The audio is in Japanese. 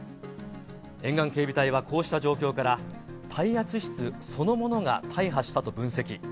沿岸警備隊はこうした状況から、耐圧室そのものが大破したと分析。